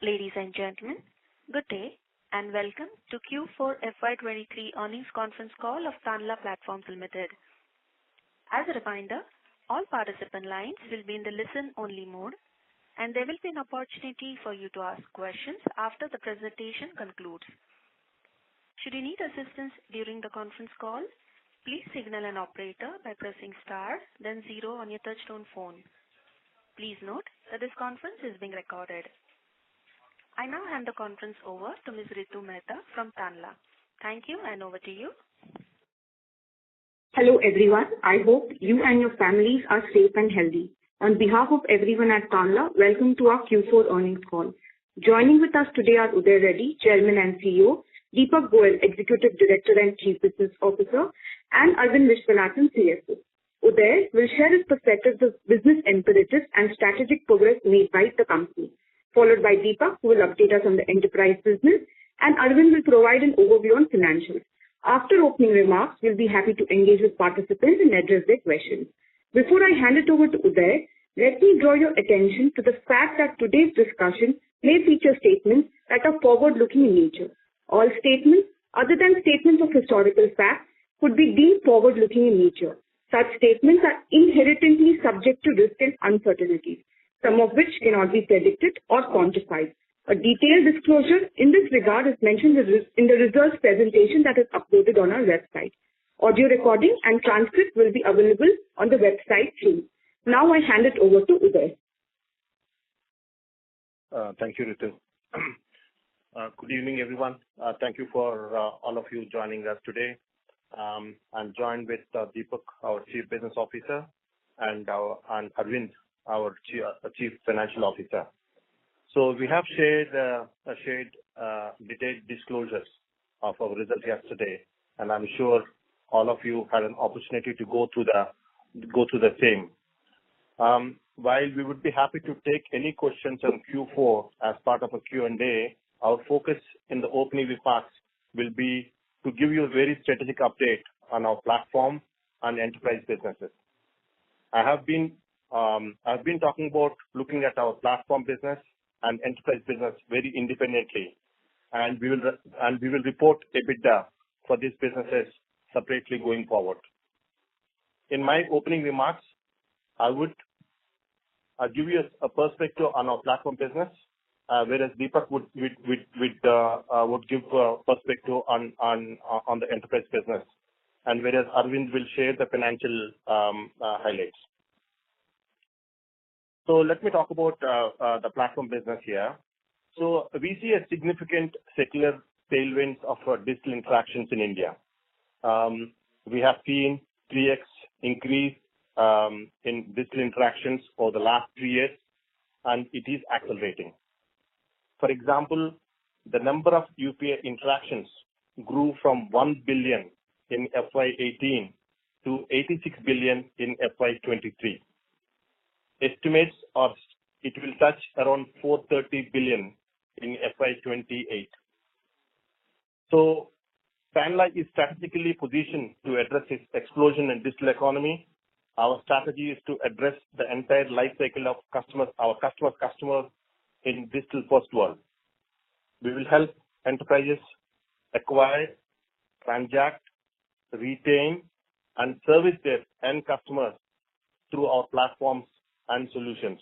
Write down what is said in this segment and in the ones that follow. Ladies and gentlemen, good day and welcome to Q4 FY 2023 Earnings Conference Call of Tanla Platforms Limited. As a reminder, all participant lines will be in the listen-only mode, and there will be an opportunity for you to ask questions after the presentation concludes. Should you need assistance during the conference call, please signal an operator by pressing star then zero on your touchtone phone. Please note that this conference is being recorded. I now hand the conference over to Ms. Ritu Mehta from Tanla. Thank you, and over to you. Hello, everyone. I hope you and your families are safe and healthy. On behalf of everyone at Tanla, welcome to our Q4 Earnings Call. Joining with us today are Uday Reddy, Chairman and CEO, Deepak Goyal, Executive Director and Chief Business Officer, and Aravind Viswanathan, CFO. Uday will share his perspectives of business imperatives and strategic progress made by the company, followed by Deepak, who will update us on the enterprise business, and Aravind will provide an overview on financials. After opening remarks, we'll be happy to engage with participants and address their questions. Before I hand it over to Uday, let me draw your attention to the fact that today's discussion may feature statements that are forward-looking in nature. All statements other than statements of historical fact could be deemed forward-looking in nature. Such statements are inherently subject to risks and uncertainties, some of which cannot be predicted or quantified. A detailed disclosure in this regard is mentioned in the results presentation that is uploaded on our website. Audio recording and transcript will be available on the website too. I hand it over to Uday. Thank you, Ritu. Good evening, everyone. Thank you for all of you joining us today. I'm joined with Deepak, our Chief Business Officer, and Aravind, our Chief Financial Officer. We have shared detailed disclosures of our results yesterday, and I'm sure all of you had an opportunity to go through the same. While we would be happy to take any questions on Q4 as part of a Q&A, our focus in the opening remarks will be to give you a very strategic update on our platform and enterprise businesses. I've been talking about looking at our platform business and enterprise business very independently, we will report EBITDA for these businesses separately going forward. In my opening remarks, I'll give you a perspective on our platform business, whereas Deepak would give a perspective on the enterprise business, and whereas Aravind will share the financial highlights. Let me talk about the platform business here. We see a significant secular tailwinds of digital interactions in India. We have seen 3x increase in digital interactions for the last three years, and it is accelerating. For example, the number of UPI interactions grew from 1 billion in FY 2018 to 86 billion in FY 2023. Estimates are it will touch around 430 billion in FY 2028. Tanla is strategically positioned to address this explosion in digital economy. Our strategy is to address the entire lifecycle of customers, our customers' customer in digital-first world. We will help enterprises acquire, transact, retain, and service their end customers through our platforms and solutions.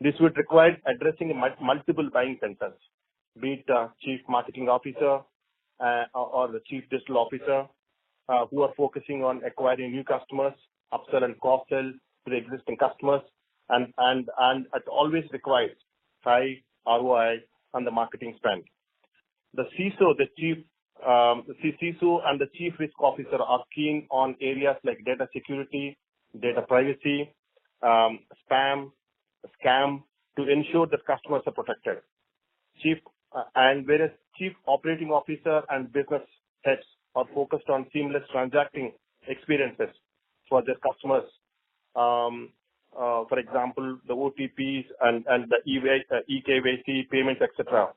This would require addressing multiple buying centers, be it chief marketing officer, or the chief digital officer, who are focusing on acquiring new customers, upsell and cross-sell to the existing customers. It always requires high ROI on the marketing spend. The CISO and the chief risk officer are keen on areas like data security, data privacy, spam, scam to ensure that customers are protected. Whereas chief operating officer and business heads are focused on seamless transacting experiences for their customers. For example, the OTPs and the e-way, e-KYC payments, et cetera.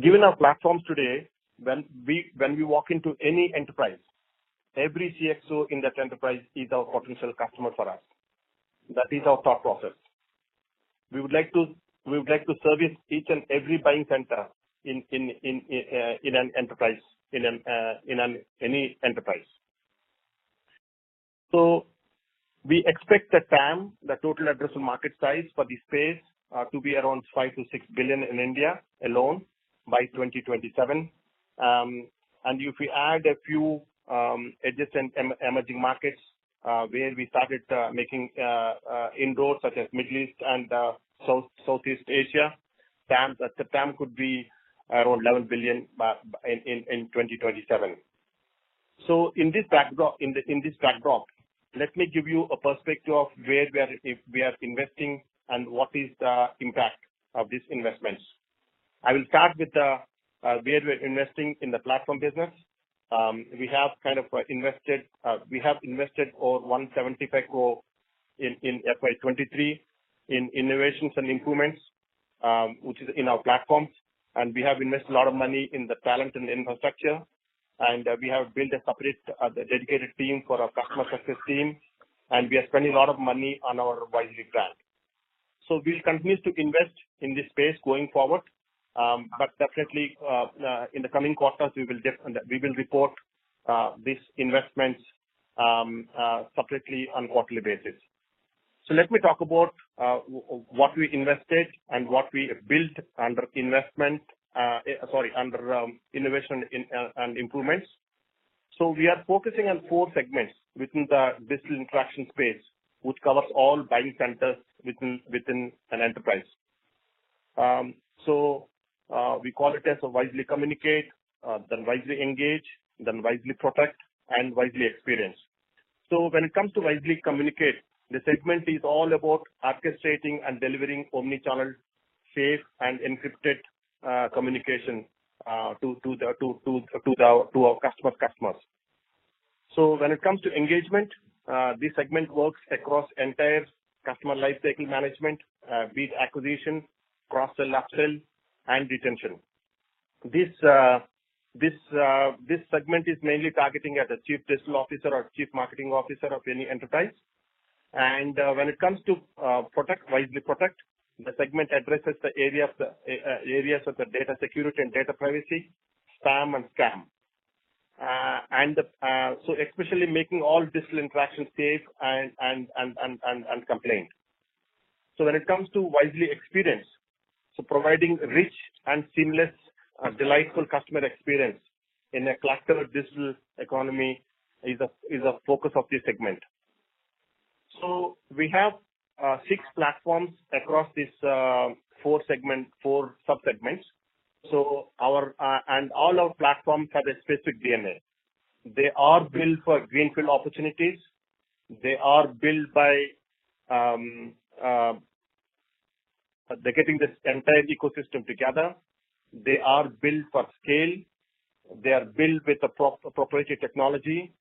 Given our platforms today, when we walk into any enterprise, every CXO in that enterprise is our potential customer for us. That is our thought process. We would like to service each and every buying center in an enterprise, in an any enterprise. We expect the TAM, the total addressable market size for this space, to be around 5 billion-6 billion in India alone by 2027. And if we add a few adjacent emerging markets, where we started making inroads such as Middle East and South-Southeast Asia, the TAM could be around 11 billion in 2027. In this backdrop, let me give you a perspective of where we are investing and what is the impact of these investments. I will start with where we're investing in the platform business. We have invested over 175 crore in FY 2023 in innovations and improvements. Which is in our platforms. We have invested a lot of money in the talent and infrastructure, and we have built a separate dedicated team for our customer success team, and we are spending a lot of money on our Wisely brand. We'll continue to invest in this space going forward, but definitely, in the coming quarters, we will report these investments separately on quarterly basis. Let me talk about what we invested and what we built under investment, under innovation and improvements. We are focusing on four segments within the digital interaction space, which covers all buying centers within an enterprise. We call it as Wisely Communicate, then Wisely Engage, then Wisely Protect and Wisely Experience. When it comes to Wisely Communicate, the segment is all about orchestrating and delivering omnichannel, safe and encrypted communication to our customer's customers. When it comes to engagement, this segment works across entire customer lifecycle management, be it acquisition, cross-sell, upsell, and retention. This segment is mainly targeting at the chief digital officer or chief marketing officer of any enterprise. When it comes to Wisely Protect, the segment addresses the areas of the data security and data privacy, spam and scam. especially making all digital interactions safe and complaint. When it comes to Wisely Experience, providing rich and seamless, delightful customer experience in a cluttered digital economy is a focus of this segment. We have six platforms across these four sub-segments. Our and all our platforms have a specific DNA. They are built for greenfield opportunities. They are built by, they're getting this entire ecosystem together. They are built for scale. They are built with a proprietary technology,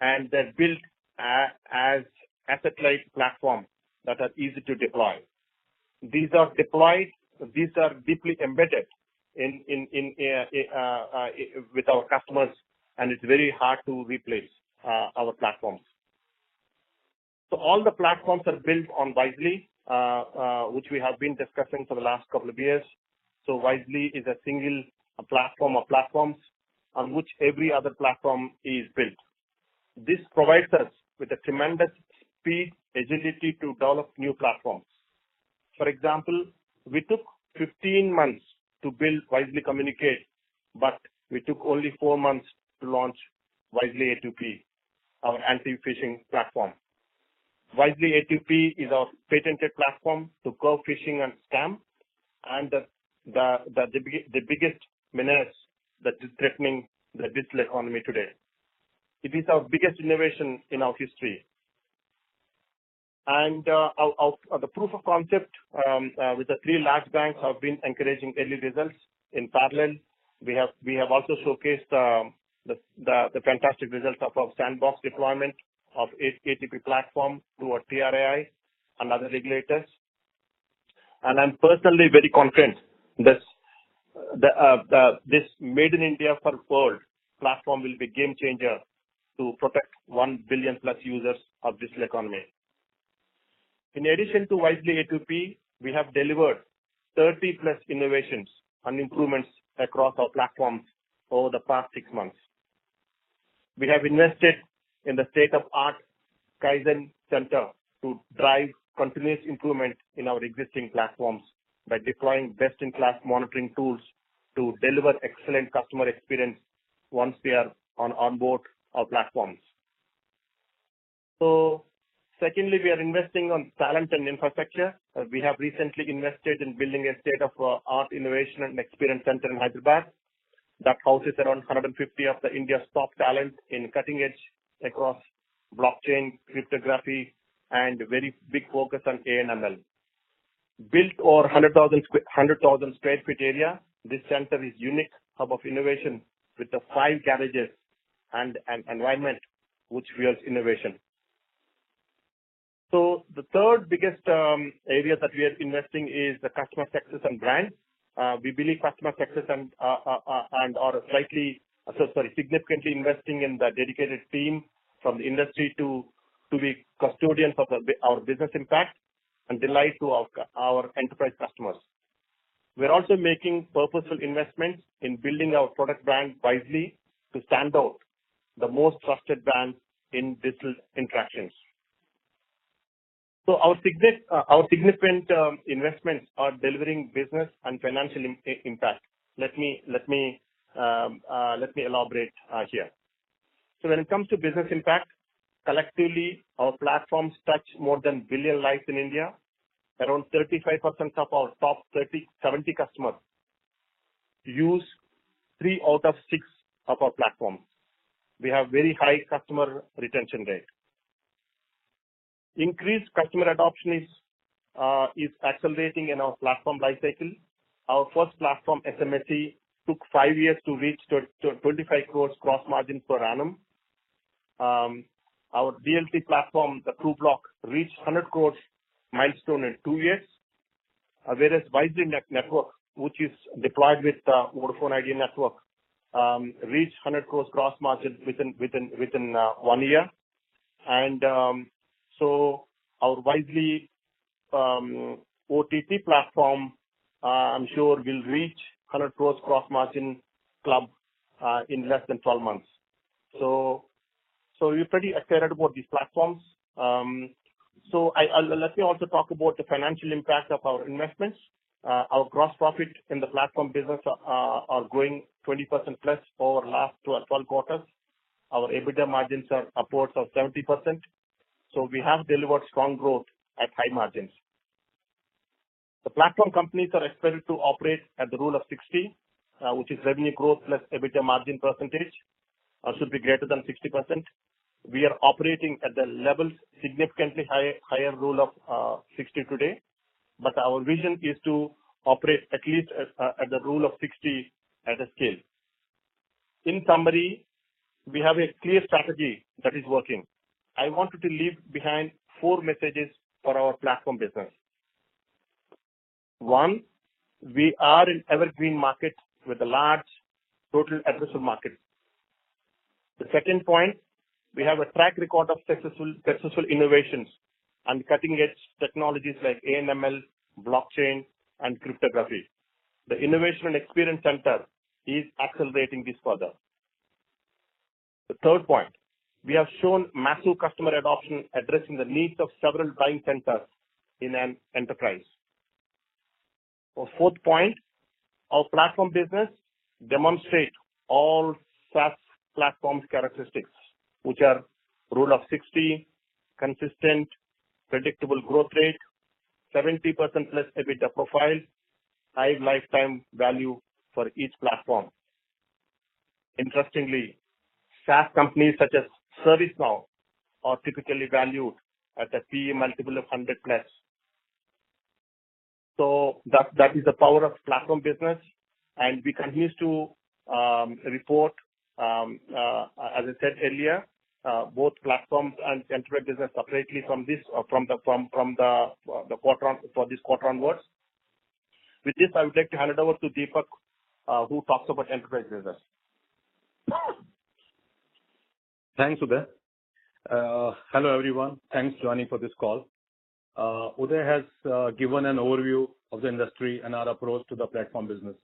and they're built as asset-light platform that are easy to deploy. These are deployed. These are deeply embedded in with our customers, and it's very hard to replace our platforms. All the platforms are built on Wisely, which we have been discussing for the last couple of years. Wisely is a single platform of platforms on which every other platform is built. This provides us with a tremendous speed, agility to develop new platforms. For example, we took 15 months to build Wisely Communicate, but we took only four months to launch Wisely A2P, our anti-phishing platform. Wisely A2P is our patented platform to curb phishing and scam and the biggest menace that is threatening the digital economy today. It is our biggest innovation in our history. The proof of concept with the three large banks have been encouraging early results. In parallel, we have also showcased the fantastic results of our sandbox deployment of A2P platform to our TRAI and other regulators. I'm personally very confident this made in India for world platform will be game changer to protect 1 billion plus users of digital economy. In addition to Wisely A2P, we have delivered 30+ innovations and improvements across our platforms over the past six months. We have invested in the state-of-art Kaizen centre to drive continuous improvement in our existing platforms by deploying best-in-class monitoring tools to deliver excellent customer experience once they are on onboard our platforms. Secondly, we are investing on talent and infrastructure. We have recently invested in building a state-of-the-art innovation and experience center in Hyderabad that houses around 150 of the India's top talent in cutting edge across blockchain, cryptography and very big focus on AI and ML. Built over 100,000 square foot area, this center is unique hub of innovation with the five garages and an environment which fuels innovation. The third biggest area that we are investing is the customer success and brand. We believe customer success and are significantly investing in the dedicated team from the industry to be custodians of our business impact and delight to our enterprise customers. We are also making purposeful investments in building our product brand Wisely to stand out the most trusted brand in digital interactions. Our significant investments are delivering business and financial impact. Let me elaborate here. When it comes to business impact, collectively our platforms touch more than 1 billion lives in India. Around 35% of our top 30-70 customers use 3/6 of our platforms. We have very high customer retention rate. Increased customer adoption is accelerating in our platform lifecycle. Our first platform, SMSC, took five years to reach 25 crores gross margin per annum. Our DLT platform, the Trubloq, reached 100 crores milestone in two years. Whereas Wisely Network, which is deployed with Vodafone Idea network, reached 100 crores gross margin within one year. Our Wisely OTP platform, I'm sure will reach 100 crores gross margin club in less than 12 months. So we're pretty excited about these platforms. Let me also talk about the financial impact of our investments. Our gross profit in the platform business are growing 20% plus for last 12 quarters. Our EBITDA margins are upwards of 70%. We have delivered strong growth at high margins. The platform companies are expected to operate at the rule of 60, which is revenue growth plus EBITDA margin percentage should be greater than 60%. We are operating at the levels significantly high, higher rule of 60 today, but our vision is to operate at least at the rule of 60 at a scale. In summary, we have a clear strategy that is working. I wanted to leave behind four messages for our platform business. One. We are an evergreen market with a large total addressable market. The second point, we have a track record of successful innovations and cutting-edge technologies like AI/ML, blockchain and cryptography. The Innovation and Experience Center is accelerating this further. The third point, we have shown massive customer adoption addressing the needs of several buying centers in an enterprise. The fourth point, our platform business demonstrate all SaaS platform characteristics, which are rule of 60, consistent, predictable growth rate, 70%+ EBITDA profile, high lifetime value for each platform. Interestingly, SaaS companies such as ServiceNow are typically valued at a P/E multiple of 100+. That is the power of platform business, and we continue to report, as I said earlier, both platforms and enterprise business separately from this quarter onwards. With this, I would like to hand it over to Deepak, who talks about enterprise business. Thanks, Uday. Hello, everyone. Thanks, Uday for this call. Uday has given an overview of the industry and our approach to the platform business.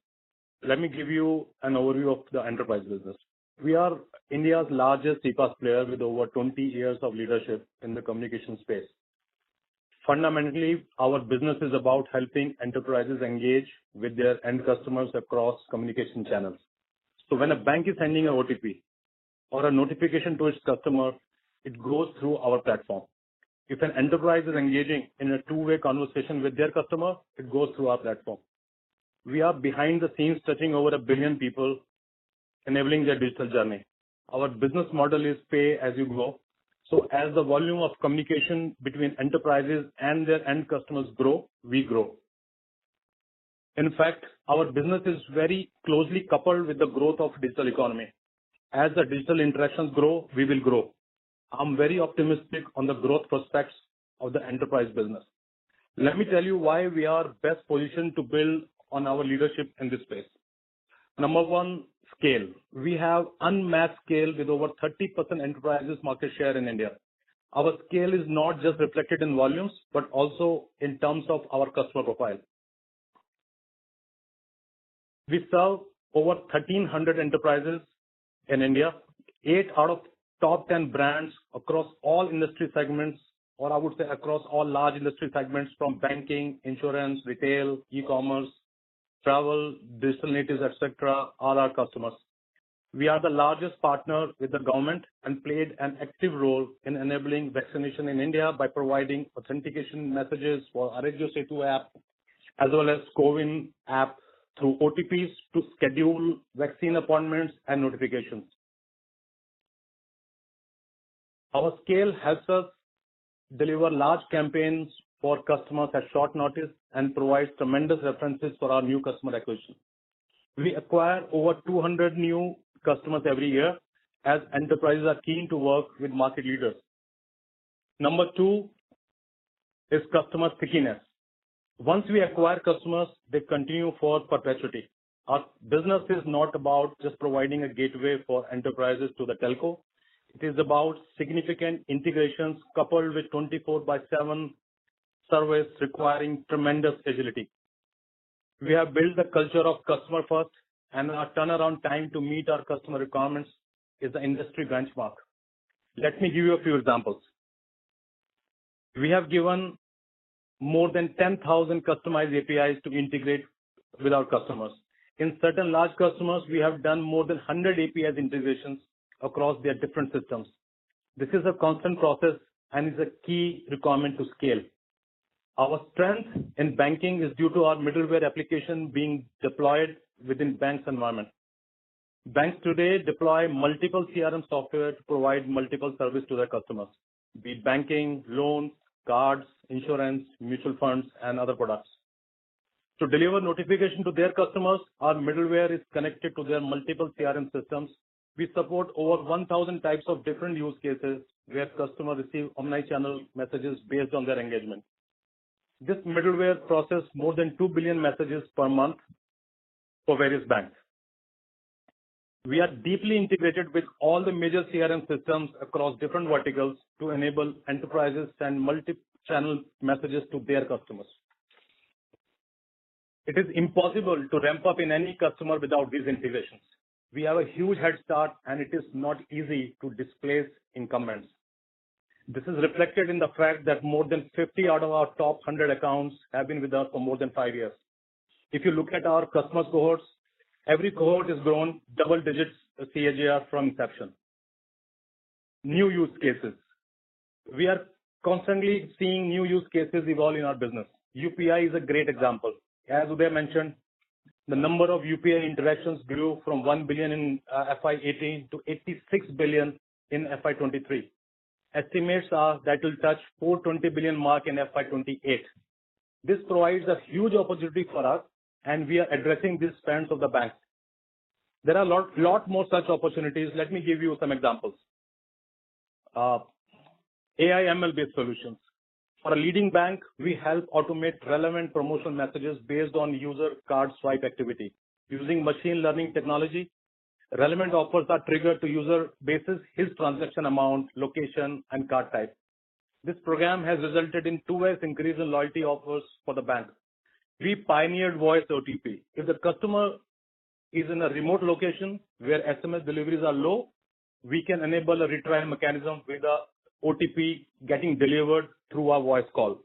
Let me give you an overview of the enterprise business. We are India's largest CPaaS player with over 20 years of leadership in the communication space. Fundamentally, our business is about helping enterprises engage with their end customers across communication channels. When a bank is sending a OTP or a notification to its customer, it goes through our platform. If an enterprise is engaging in a two-way conversation with their customer, it goes through our platform. We are behind the scenes, touching over 1 billion people, enabling their digital journey. Our business model is pay-as-you-go. As the volume of communication between enterprises and their end customers grow, we grow. In fact, our business is very closely coupled with the growth of digital economy. As the digital interactions grow, we will grow. I'm very optimistic on the growth prospects of the enterprise business. Let me tell you why we are best positioned to build on our leadership in this space. Number one, scale. We have unmatched scale with over 30% enterprises market share in India. Our scale is not just reflected in volumes, but also in terms of our customer profile. We serve over 1,300 enterprises in India. 8 out of top 10 brands across all industry segments, or I would say across all large industry segments from banking, insurance, retail, e-commerce, travel, digital natives, et cetera, are our customers. We are the largest partner with the government and played an active role in enabling vaccination in India by providing authentication messages for Aarogya Setu app as well as CoWIN app through OTPs to schedule vaccine appointments and notifications. Our scale helps us deliver large campaigns for customers at short notice and provides tremendous references for our new customer acquisition. We acquire over 200 new customers every year as enterprises are keen to work with market leaders. Number two is customer stickiness. Once we acquire customers, they continue for perpetuity. Our business is not about just providing a gateway for enterprises to the telco. It is about significant integrations coupled with 24 by seven service requiring tremendous agility. We have built a culture of customer first, and our turnaround time to meet our customer requirements is an industry benchmark. Let me give you a few examples. We have given more than 10,000 customized APIs to integrate with our customers. In certain large customers, we have done more than 100 APIs integrations across their different systems. This is a constant process and is a key requirement to scale. Our strength in banking is due to our middleware application being deployed within banks' environment. Banks today deploy multiple CRM software to provide multiple service to their customers, be it banking, loans, cards, insurance, mutual funds and other products. To deliver notification to their customers, our middleware is connected to their multiple CRM systems. We support over 1,000 types of different use cases where customers receive omni-channel messages based on their engagement. This middleware process more than 2 billion messages per month for various banks. We are deeply integrated with all the major CRM systems across different verticals to enable enterprises send multi-channel messages to their customers. It is impossible to ramp up in any customer without these integrations. We have a huge head start, and it is not easy to displace incumbents. This is reflected in the fact that more than 50 out of our top 100 accounts have been with us for more than five years. If you look at our customer cohorts, every cohort has grown double digits CAGR from inception. New use cases. We are constantly seeing new use cases evolve in our business. UPI is a great example. As Uday mentioned, the number of UPI interactions grew from 1 billion in FY 2018 to 86 billion in FY 2023. Estimates are that will touch 420 billion mark in FY 2028. This provides a huge opportunity for us, and we are addressing these pains of the banks. There are lot more such opportunities. Let me give you some examples. AI/ML-based solutions. For a leading bank, we help automate relevant promotional messages based on user card swipe activity. Using machine learning technology, relevant offers are triggered to user basis, his transaction amount, location and card type. This program has resulted in two ways: increase in loyalty offers for the bank. We pioneered voice OTP. If the customer is in a remote location where SMS deliveries are low, we can enable a retry mechanism with the OTP getting delivered through a voice call.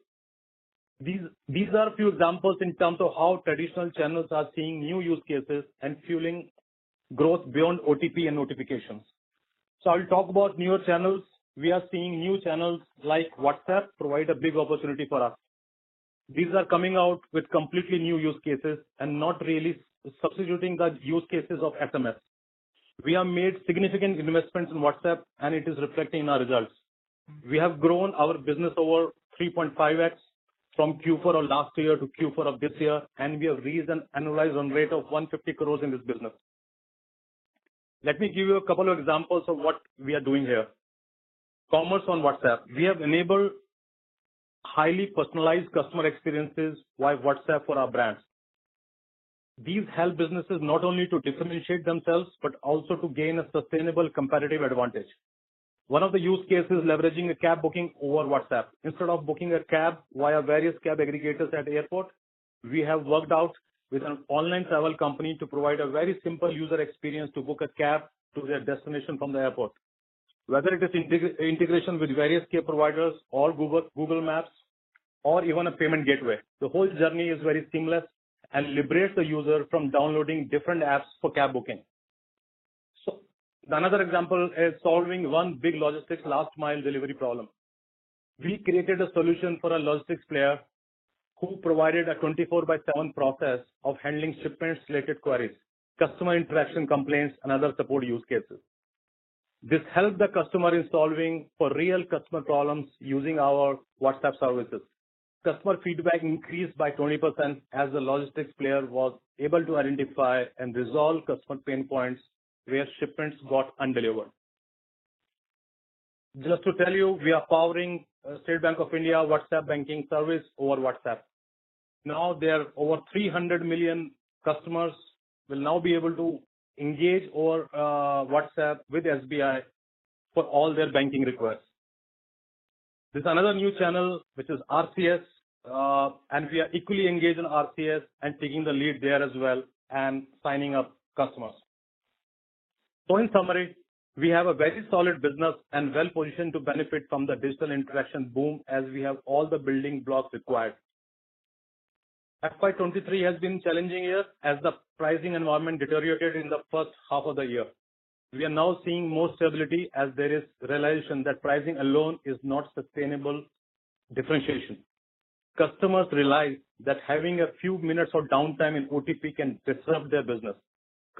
These are a few examples in terms of how traditional channels are seeing new use cases and fueling growth beyond OTP and notifications. I'll talk about newer channels. We are seeing new channels like WhatsApp provide a big opportunity for us. These are coming out with completely new use cases and not really substituting the use cases of SMS. We have made significant investments in WhatsApp, and it is reflecting in our results. We have grown our business over 3.5x from Q4 of last year to Q4 of this year, and we have raised an annualized run rate of 150 crores in this business. Let me give you a couple of examples of what we are doing here. Commerce on WhatsApp. We have enabled highly personalized customer experiences via WhatsApp for our brands. These help businesses not only to differentiate themselves, but also to gain a sustainable competitive advantage. One of the use cases leveraging a cab booking over WhatsApp. Instead of booking a cab via various cab aggregators at the airport, we have worked out with an online travel company to provide a very simple user experience to book a cab to their destination from the airport. Whether it is integration with various cab providers or Google Maps or even a payment gateway, the whole journey is very seamless and liberates the user from downloading different apps for cab booking. Another example is solving one big logistics last mile delivery problem. We created a solution for a logistics player who provided a 24/7 process of handling shipments-related queries, customer interaction complaints, and other support use cases. This helped the customer in solving for real customer problems using our WhatsApp services. Customer feedback increased by 20% as the logistics player was able to identify and resolve customer pain points where shipments got undelivered. Just to tell you, we are powering State Bank of India WhatsApp banking service over WhatsApp. Their over 300 million customers will now be able to engage over WhatsApp with SBI for all their banking requests. There's another new channel, which is RCS, and we are equally engaged in RCS and taking the lead there as well and signing up customers. In summary, we have a very solid business and well-positioned to benefit from the digital interaction boom as we have all the building blocks required. FY 2023 has been challenging year as the pricing environment deteriorated in the first half of the year. We are now seeing more stability as there is realization that pricing alone is not sustainable differentiation. Customers realize that having a few minutes of downtime in OTP can disrupt their business.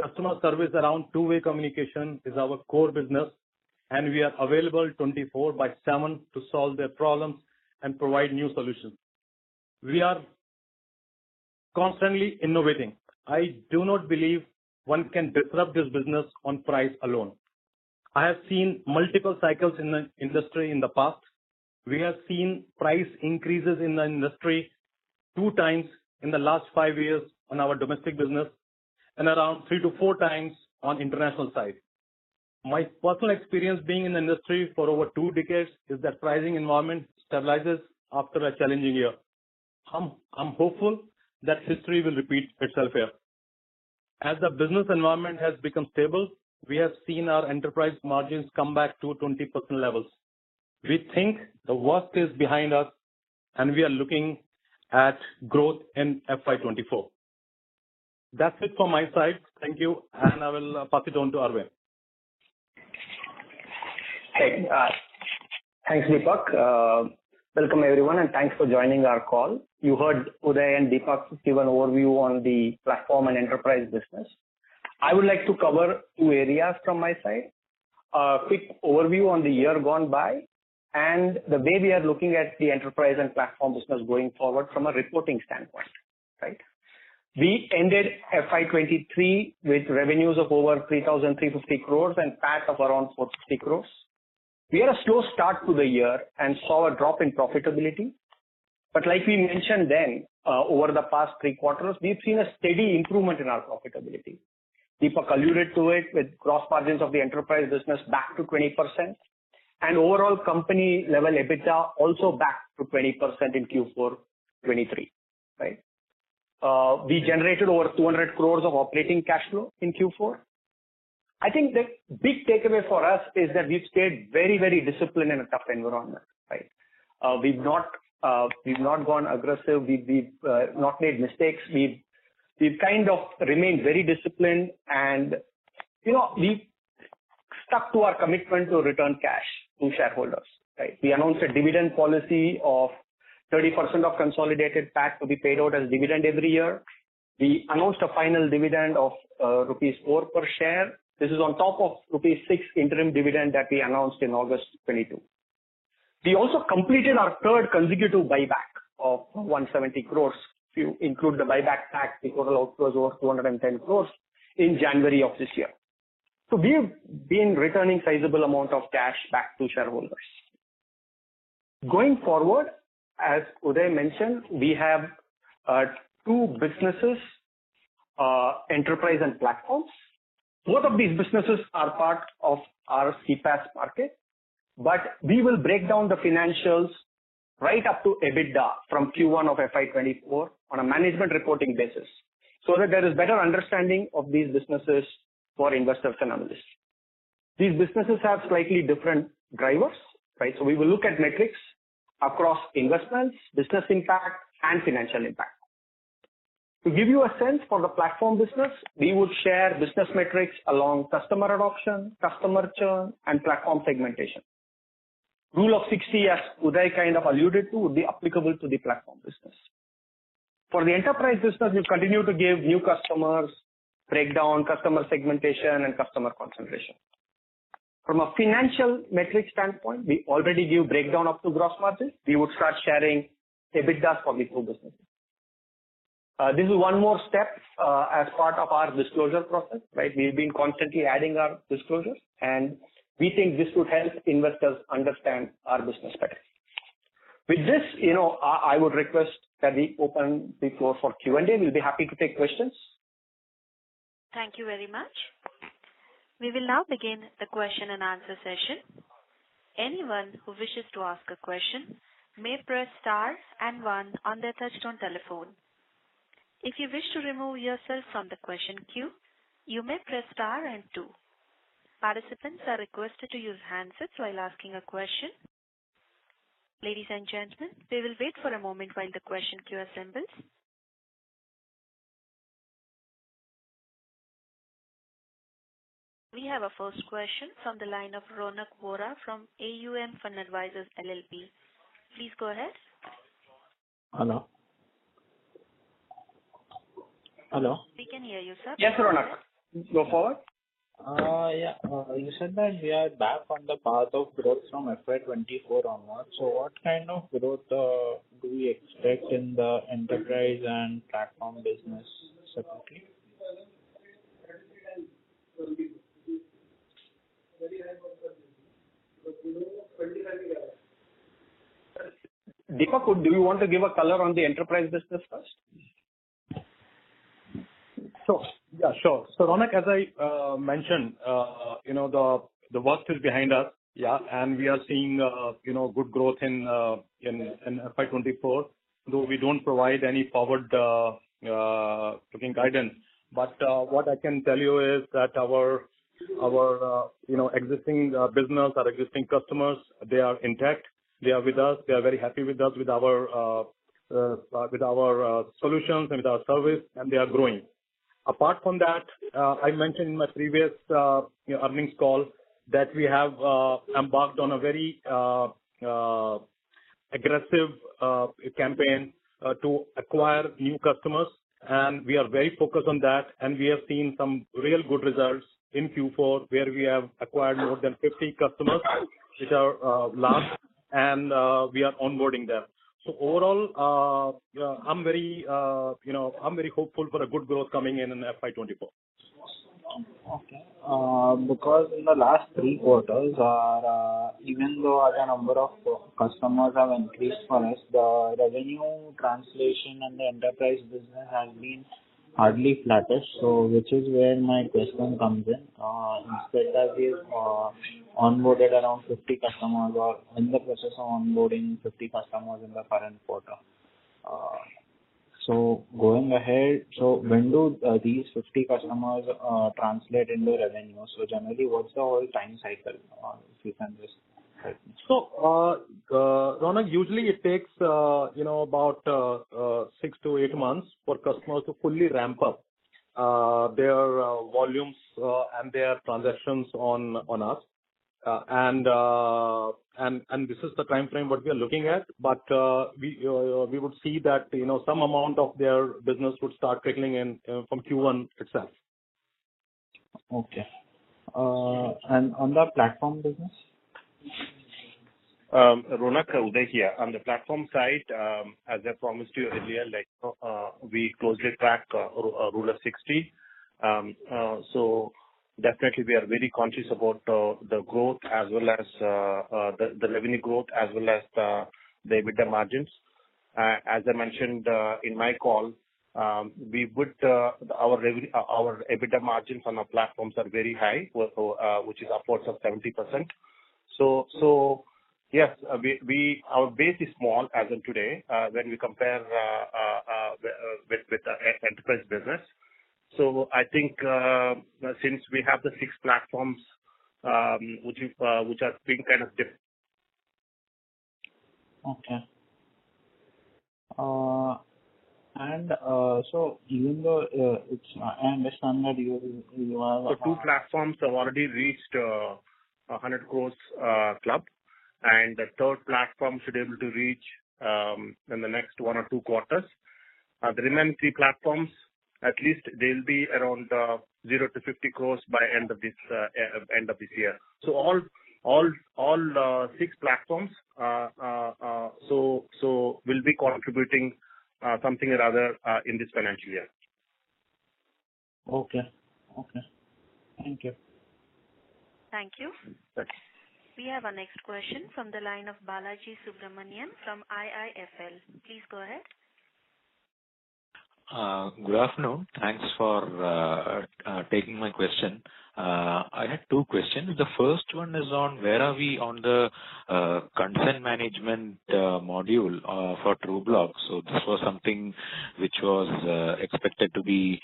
Customer service around two-way communication is our core business, and we are available 24/7 to solve their problems and provide new solutions. We are constantly innovating. I do not believe one can disrupt this business on price alone. I have seen multiple cycles in the industry in the past. We have seen price increases in the industry 2x in the last five years on our domestic business and around 3-4x on international side. My personal experience being in the industry for over two decades is that pricing environment stabilizes after a challenging year. I'm hopeful that history will repeat itself here. As the business environment has become stable, we have seen our enterprise margins come back to 20% levels. We think the worst is behind us, and we are looking at growth in FY 2024. That's it for my side. Thank you, and I will pass it on to Aravind. Hey, thanks, Deepak. Welcome everyone, and thanks for joining our call. You heard Uday and Deepak give an overview on the platform and enterprise business. I would like to cover two areas from my side. Quick overview on the year gone by and the way we are looking at the enterprise and platform business going forward from a reporting standpoint. Right? We ended FY 2023 with revenues of over 3,350 crores and PAT of around 460 crores. We had a slow start to the year and saw a drop in profitability. Like we mentioned then, over the past three quarters, we've seen a steady improvement in our profitability. Deepak alluded to it with gross margins of the enterprise business back to 20% and overall company level EBITDA also back to 20% in Q4 2023. Right? We generated over 200 crores of operating cash flow in Q4. I think the big takeaway for us is that we've stayed very, very disciplined in a tough environment, right? We've not gone aggressive. We've not made mistakes. We've kind of remained very disciplined and, you know, we stuck to our commitment to return cash to shareholders, right? We announced a dividend policy of 30% of consolidated PAT to be paid out as dividend every year. We announced a final dividend of rupees 4 per share. This is on top of rupees 6 interim dividend that we announced in August 2022. We also completed our third consecutive buyback of 170 crores. If you include the buyback PAT, the total outgo is over 210 crores in January of this year. We've been returning sizable amount of cash back to shareholders. Going forward, as Uday mentioned, we have two businesses, enterprise and platforms. Both of these businesses are part of our CPaaS market, but we will break down the financials right up to EBITDA from Q1 of FY 2024 on a management reporting basis so that there is better understanding of these businesses for investors and analysts. These businesses have slightly different drivers, right? We will look at metrics across investments, business impact and financial impact. To give you a sense for the platform business, we would share business metrics along customer adoption, customer churn and platform segmentation. Rule of 60, as Uday kind of alluded to, would be applicable to the platform business. For the enterprise business, we continue to give new customers breakdown, customer segmentation and customer concentration. From a financial metric standpoint, we already give breakdown up to gross margin. We would start sharing EBITDA for the two businesses. This is one more step as part of our disclosure process, right? We've been constantly adding our disclosures, and we think this would help investors understand our business better. With this, you know, I would request that we open the floor for Q&A. We'll be happy to take questions. Thank you very much. We will now begin the question-and-answer session. Anyone who wishes to ask a question may press star and one on their touch-tone telephone. If you wish to remove yourself from the question queue, you may press star and two. Participants are requested to use handsets while asking a question. Ladies and gentlemen, we will wait for a moment while the question queue assembles. We have our first question from the line of Ronak Vora from AUM Fund Advisors LLP. Please go ahead. Hello? Hello. We can hear you, sir. Yes, Ronak. Go forward. Yeah. You said that we are back on the path of growth from FY 2024 onwards. What kind of growth, do we expect in the enterprise and platform business separately? Deepak, Do you want to give a color on the enterprise business first? Sure. Yeah, sure. Ronak, as I mentioned, you know, the worst is behind us, yeah. We are seeing, you know, good growth in FY 2024, though we don't provide any forward looking guidance. What I can tell you is that our existing business, our existing customers, they are intact. They are with us. They are very happy with us, with our solutions and with our service. They are growing. Apart from that, I mentioned in my previous, you know, earnings call that we have embarked on a very aggressive campaign to acquire new customers. We are very focused on that. We have seen some real good results in Q4, where we have acquired more than 50 customers which are large and we are onboarding them. Overall, yeah, I'm very, you know, I'm very hopeful for a good growth coming in in FY 2024. Okay. Because in the last three quarters, even though the number of customers have increased for us, the revenue translation and the enterprise business has been hardly flattish. Which is where my question comes in. Instead that we've onboarded around 50 customers or in the process of onboarding 50 customers in the current quarter. Going ahead, when do these 50 customers translate into revenue? Generally, what's the whole time cycle, if you can just help me? Ronak, usually it takes, you know, about six to eight months for customers to fully ramp up their volumes and their transactions on us. This is the timeframe what we are looking at. We would see that, you know, some amount of their business would start trickling in from Q1 itself. Okay. On the platform business? Ronak, Uday here. On the platform side, as I promised you earlier, like, we closely track rule of 60. Definitely we are very conscious about the growth as well as the revenue growth as well as the EBITDA margins. As I mentioned in my call, we would, our EBITDA margins on our platforms are very high, which is upwards of 70%. Yes, we our base is small as of today, when we compare with the e-enterprise business. I think, since we have the 6 platforms, which are being kind of. Okay. even though, I understand that you are Two platforms have already reached 100 crores club, and the third platform should able to reach in the next one or two quarters. The remaining three platforms, at least they'll be around 0-50 crores by end of this year. All six platforms so will be contributing something or other in this financial year. Okay. Okay. Thank you. Thank you. Thanks. We have our next question from the line of Balaji Subramanian from IIFL. Please go ahead. Good afternoon. Thanks for taking my question. I had two questions. The first one is on where are we on the consent management module for Truecaller? This was something which was expected to be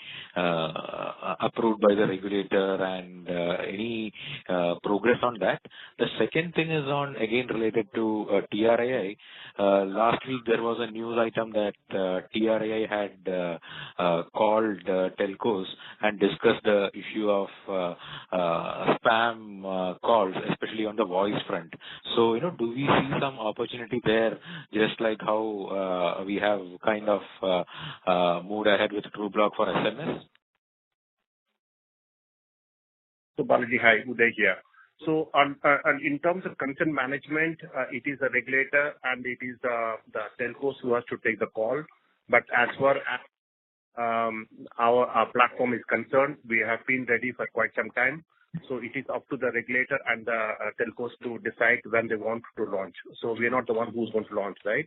approved by the regulator and any progress on that. The second thing is on, again, related to TRAI. Last week there was a news item that TRAI had called telcos and discussed the issue of spam calls, especially on the voice front. You know, do we see some opportunity there, just like how we have kind of moved ahead with Truecaller for SMS? Balaji, hi, Uday here. In terms of consent management, it is the regulator and it is the telcos who has to take the call. As far as our platform is concerned, we have been ready for quite some time. It is up to the regulator and the telcos to decide when they want to launch. We are not the one who's going to launch, right?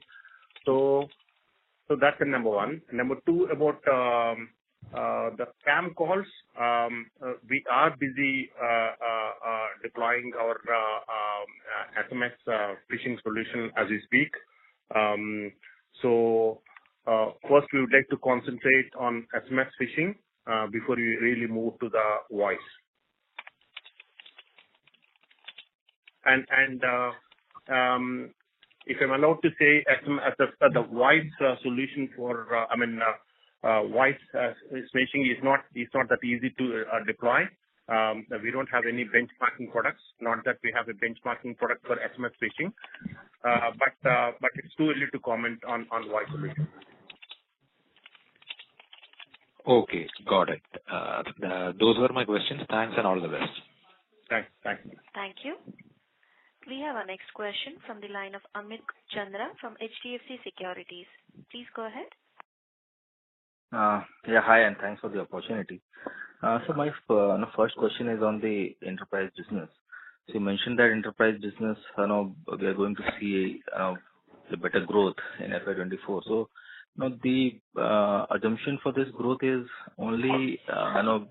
That's the number one. Number two, about the spam calls. We are busy deploying our SMS phishing solution as we speak. First we would like to concentrate on SMS phishing before we really move to the voice. If I'm allowed to say SMS, the voice solution for, I mean, voice phishing is not that easy to deploy. We don't have any benchmarking products. Not that we have a benchmarking product for SMS phishing, but it's too early to comment on voice solution. Okay. Got it. Those were my questions. Thanks and all the best. Thanks. Bye. Thank you. We have our next question from the line of Amit Chandra from HDFC Securities. Please go ahead. Yeah, hi, and thanks for the opportunity. My you know, first question is on the enterprise business. You mentioned that enterprise business, you know, we are going to see the better growth in FY 2024. You know, the assumption for this growth is only, you know,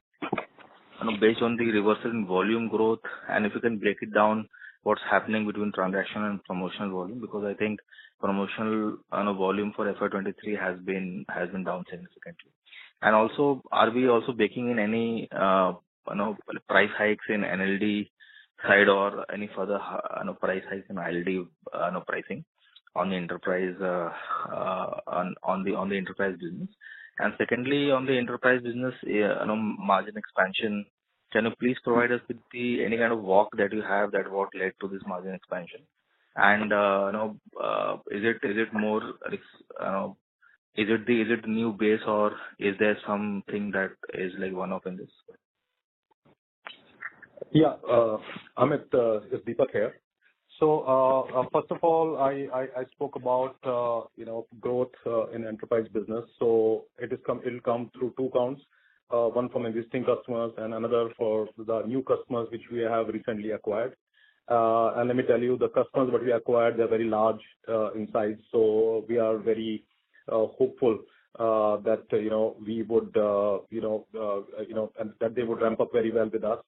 based on the reversal in volume growth. If you can break it down, what's happening between transaction and promotional volume? I think promotional, you know, volume for FY 2023 has been down significantly. Also, are we also baking in any, you know, price hikes in NLD side or any further, you know, price hikes in NLD, you know, pricing on the enterprise, on the enterprise business? Secondly, on the enterprise business, you know, margin expansion, can you please provide us with the any kind of walk that you have that what led to this margin expansion? You know, is it the, is it new base or is there something that is like one-off in this? Yeah, Amit, it's Deepak here. First of all, I spoke about, you know, growth in enterprise business. It'll come through two counts. One from existing customers and another for the new customers which we have recently acquired. Let me tell you, the customers that we acquired, they're very large in size, we are very hopeful that, you know, we would, you know, that they would ramp up very well with us.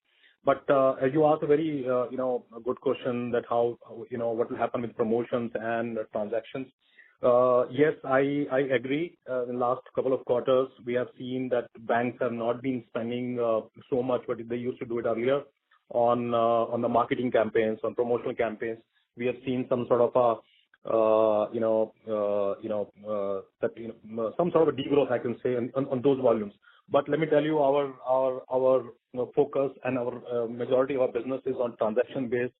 As you asked a very, you know, a good question that how, you know, what will happen with promotions and transactions. Yes, I agree. The last couple of quarters we have seen that banks have not been spending so much what they used to do it earlier on the marketing campaigns, on promotional campaigns. We have seen some sort of, you know, some sort of a de-growth, I can say, on those volumes. Let me tell you, our, you know, focus and our majority of our business is on transaction base,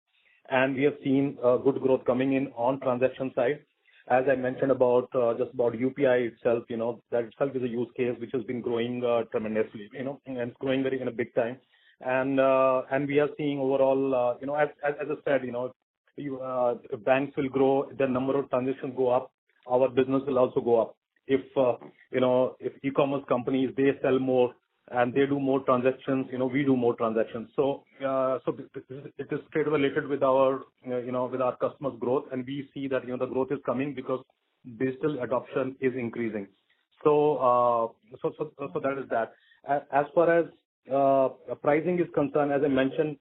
and we have seen good growth coming in on transaction side. I mentioned about just about UPI itself, you know, that itself is a use case which has been growing tremendously, you know, and it's growing very in a big time. We are seeing overall, you know, as I said, you know, banks will grow, the number of transactions go up, our business will also go up. If, you know, if e-commerce companies they sell more and they do more transactions, you know, we do more transactions. It is straight away related with our, you know, with our customers' growth. We see that, you know, the growth is coming because digital adoption is increasing. That is that. As far as pricing is concerned, as I mentioned,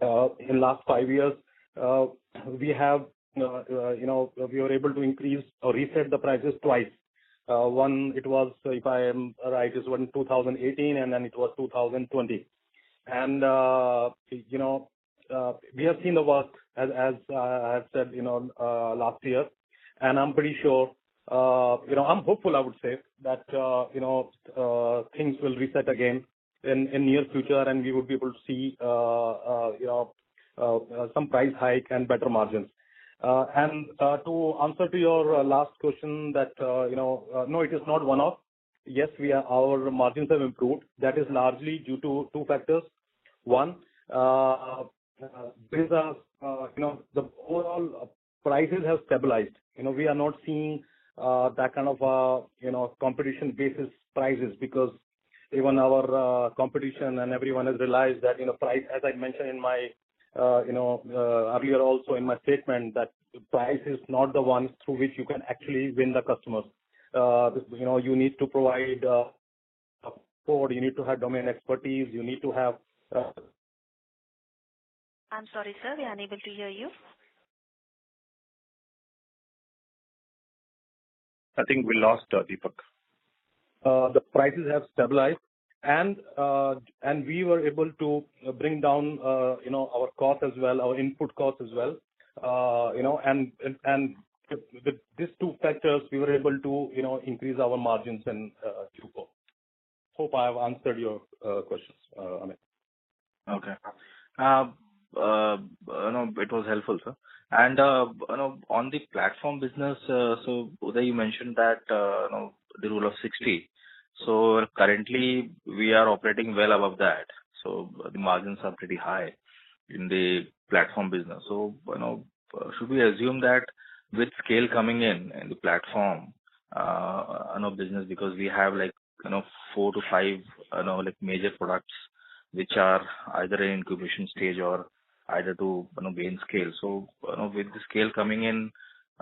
in last five years, we have, you know, we were able to increase or reset the prices twice. One, it was, if I am right, it was in 2018, and then it was 2020. You know, we have seen the worst as I've said, you know, last year. I'm pretty sure, you know, I'm hopeful, I would say, that, you know, things will reset again in near future and we would be able to see, you know, some price hike and better margins. To answer to your last question that, you know, no, it is not one-off. Yes, our margins have improved. That is largely due to two factors. One, with the, you know, the overall prices have stabilized. You know, we are not seeing, that kind of, you know, competition basis prices because even our, competition and everyone has realized that, you know, price, as I mentioned in my, you know, earlier also in my statement that price is not the one through which you can actually win the customers. You know, you need to provide, support, you need to have domain expertise, you need to have. I'm sorry, sir. We are unable to hear you. I think we lost Deepak. The prices have stabilized and we were able to bring down, you know, our cost as well, our input cost as well. You know, with these two factors, we were able to, you know, increase our margins and Q4. Hope I have answered your questions, Amit. Okay. you know, it was helpful, sir. you know, on the platform business, so Uday you mentioned that, you know, the rule of 60. Currently we are operating well above that, so the margins are pretty high in the platform business. you know, should we assume that with scale coming in the platform, you know, business because we have, you know, four to five, you know, major products which are either in incubation stage or either to, you know, gain scale. you know, with the scale coming in,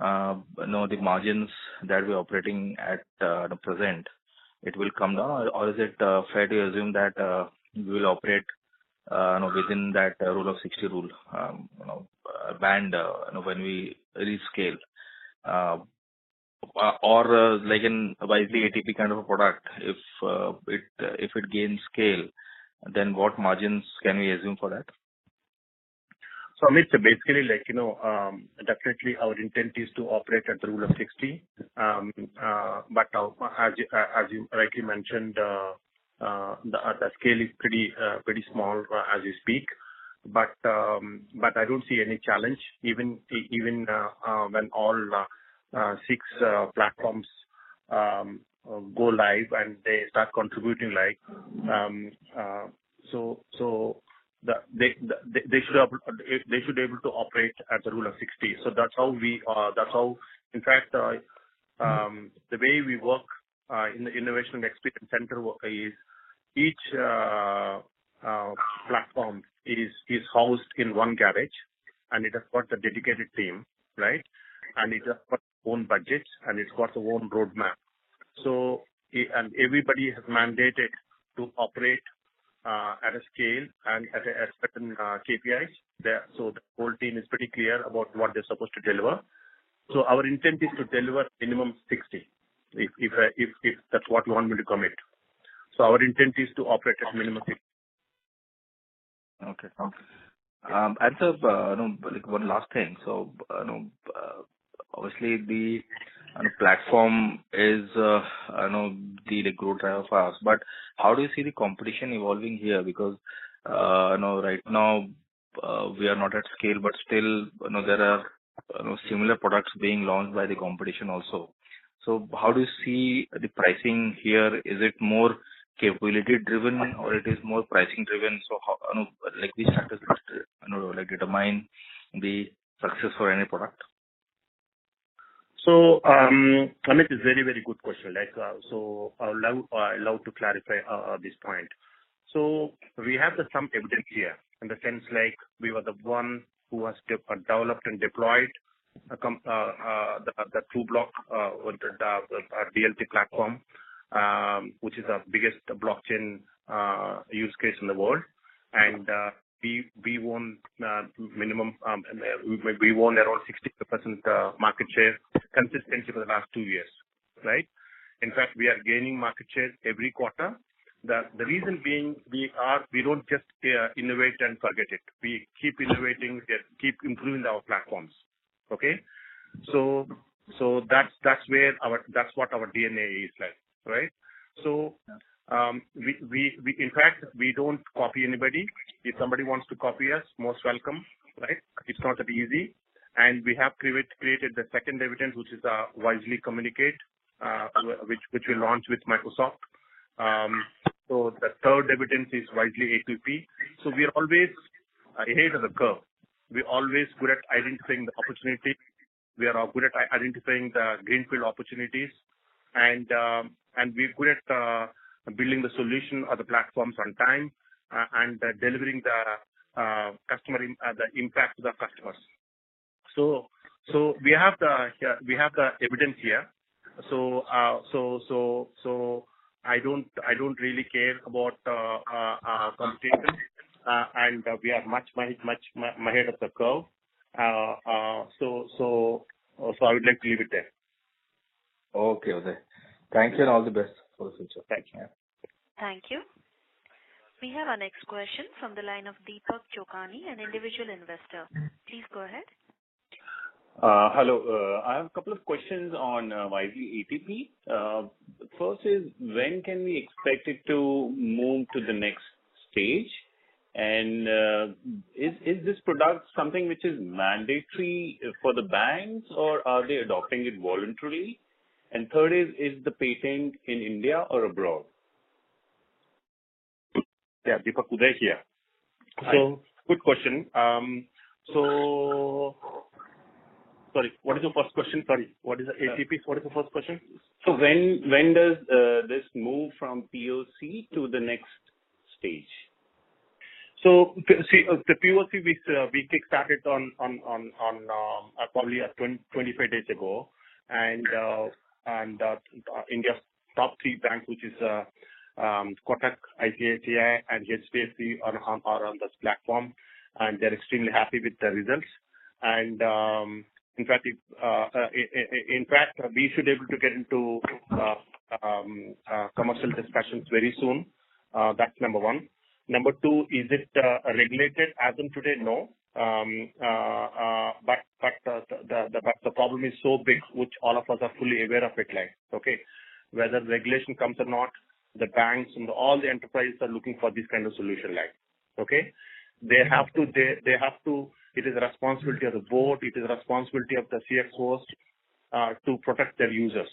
you know, the margins that we're operating at the present, it will come down or is it fair to assume that we'll operate, you know, within that rule of 60 rule, you know, band, you know, when we rescale? Or like in Wisely A2P kind of a product, if it gains scale, then what margins can we assume for that? Amit, basically like, you know, definitely our intent is to operate at the rule of 60. As you rightly mentioned, the scale is pretty small as we speak. I don't see any challenge even when all 6 platforms go live and they start contributing like. They should able to operate at the rule of 60. That's how we, that's how. In fact, the way we work in the Innovation and Experience Center is each platform is housed in one garage and it has got a dedicated team, right? It has got its own budget and it's got its own roadmap. Everybody is mandated to operate, at a scale and at certain KPIs. The whole team is pretty clear about what they're supposed to deliver. Our intent is to deliver minimum 60, if that's what you want me to commit. Our intent is to operate at minimum 60. Okay. You know, like one last thing. You know, obviously the, you know, platform is, you know, the growth driver for us. How do you see the competition evolving here? Because, you know, right now, we are not at scale, but still, you know, there are, similar products being launched by the competition also. How do you see the pricing here? Is it more capability-driven or it is more pricing-driven? How, you know, like these factors, you know, like determine the success for any product. Amit, it's a very, very good question. Like, I love to clarify this point. We have some evidence here in the sense like we were the one who has developed and deployed the Trubloq or the DLT platform, which is the biggest blockchain use case in the world. We won minimum, we won around 60% market share consistently for the last two years, right? In fact, we are gaining market share every quarter. The reason being we don't just innovate and forget it. We keep innovating, keep improving our platforms. Okay? That's where our that's what our DNA is like, right? Yeah. We, in fact, we don't copy anybody. If somebody wants to copy us, most welcome, right? It's not that easy. We have created the second evidence, which is Wisely Communicate, which we launched with Microsoft. The third evidence is Wisely A2P. We are always ahead of the curve. We're always good at identifying the opportunity. We are good at identifying the greenfield opportunities and we're good at building the solution or the platforms on time and delivering the impact to the customers. We have the evidence here. I don't really care about competition, and we are much ahead of the curve. I would like to leave it there. Okay. Thank you and all the best for the future. Thank you. Thank you. We have our next question from the line of Deepak Chokani, an individual investor. Please go ahead. Hello. I have a couple of questions on Wisely A2P. First is, when can we expect it to move to the next stage? Is this product something which is mandatory for the banks or are they adopting it voluntarily? Third is the patent in India or abroad? Yeah. Deepak, Sudhir here. Good question. Sorry, what is your first question? Sorry. What is the ATP? What is the first question? When does this move from POC to the next stage? See, the POC we kickstart it on probably 25 days ago. India's top three bank, which is Kotak, ICICI and HDFC are on this platform, and they're extremely happy with the results. In fact, if in fact, we should able to get into commercial discussions very soon. That's number one. Number two, is it regulated? As of today, no. The problem is so big, which all of us are fully aware of it like, okay? Whether regulation comes or not, the banks and all the enterprises are looking for this kind of solution like, okay? They have to. They have to. It is the responsibility of the board. It is the responsibility of the CXOs to protect their users.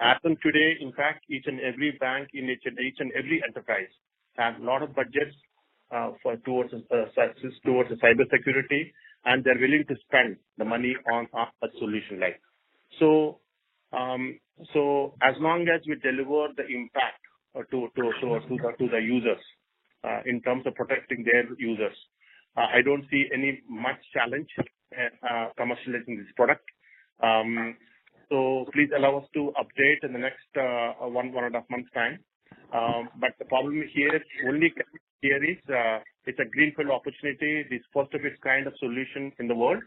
As of today, in fact, each and every bank in each and every enterprise has a lot of budgets for towards the cybersecurity, and they're willing to spend the money on a solution like. As long as we deliver the impact to the users in terms of protecting their users, I don't see any much challenge in commercializing this product. Please allow us to update in the next one and a half months time. The problem here only here is it's a greenfield opportunity. It's first of its kind of solution in the world.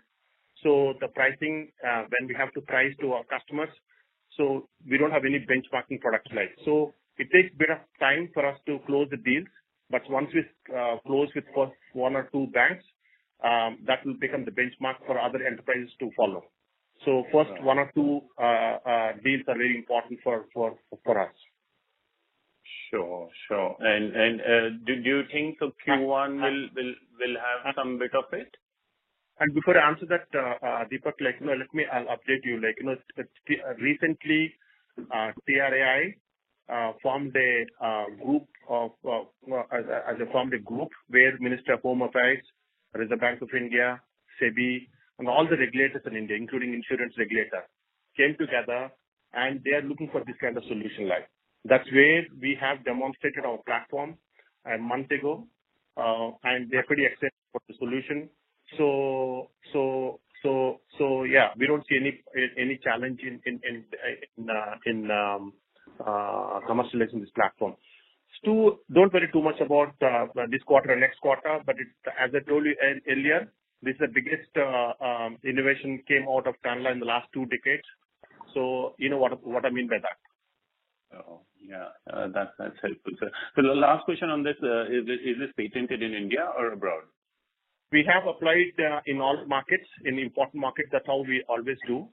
The pricing, when we have to price to our customers, so we don't have any benchmarking products like. It takes a bit of time for us to close the deals, but once we close with first one or two banks, that will become the benchmark for other enterprises to follow. First one or two deals are very important for us. Sure. Sure. Do you think the Q1 will have some bit of it? Before I answer that, Deepak, like, let me, I'll update you. You know, recently, TRAI formed a group where Ministry of Home Affairs, Reserve Bank of India, SEBI, and all the regulators in India, including insurance regulator, came together and they are looking for this kind of solution like. That's where we have demonstrated our platform a month ago, and they're pretty excited for the solution. So yeah, we don't see any challenge in commercializing this platform. Stu, don't worry too much about this quarter, next quarter, but it's. As I told you earlier, this is the biggest innovation came out of Tanla in the last two decades. You know what I mean by that. Yeah. That's, that's helpful, sir. The last question on this, is this, is this patented in India or abroad? We have applied, in all markets, in important markets. That's how we always do,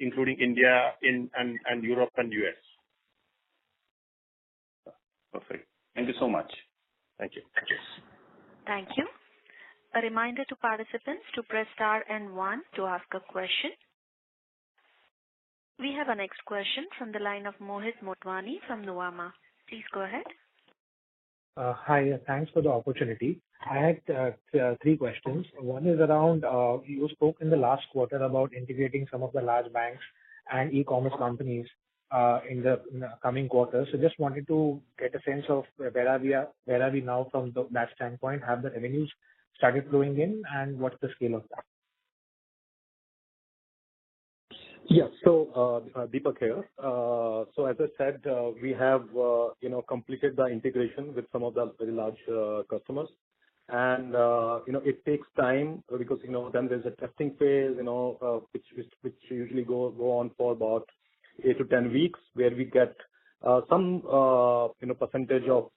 including India and Europe and US. Perfect. Thank you so much. Thank you. Thank you. Thank you. A reminder to participants to press star and one to ask a question. We have our next question from the line of Mohit Motwani from Nomura. Please go ahead. Hi, thanks for the opportunity. I had three questions. One is around, you spoke in the last quarter about integrating some of the large banks and e-commerce companies in the coming quarters. Just wanted to get a sense of where are we at, where are we now from the, that standpoint. Have the revenues started flowing in, and what's the scale of that? Deepak here. As I said, we have, you know, completed the integration with some of the very large customers. It takes time because, you know, then there's a testing phase, you know, which usually go on for about eight to 10 weeks, where we get, some, you know, percentage of,